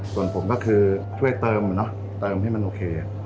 ส่วนผมก็คือช่วยเติมเติมให้มันโอเค